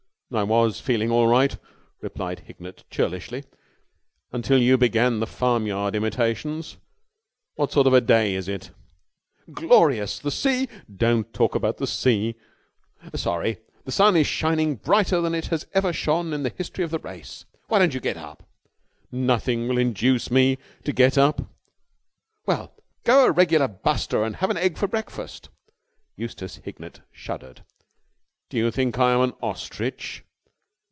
"I was feeling all right," replied Hignett churlishly, "until you began the farmyard imitations. What sort of a day is it?" "Glorious! The sea...." "Don't talk about the sea!" "Sorry! The sun is shining brighter than it has ever shone in the history of the race. Why don't you get up?" "Nothing will induce me to get up." "Well, go a regular buster and have an egg for breakfast." Eustace Hignett shuddered. "Do you think I am an ostrich?"